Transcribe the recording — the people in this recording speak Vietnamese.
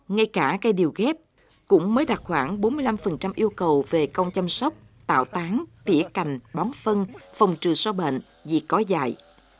ngay cả cây điều ghép cũng mới đạt khoảng bốn mươi năm yêu cầu về công chăm sóc tạo tán tỉa cành bóng phân phòng trừ so bệnh dị có dài